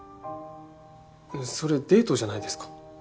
それデートじゃないですか。